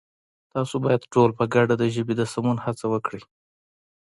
تاسو بايد ټول په گډه د ژبې د سمون هڅه وکړئ!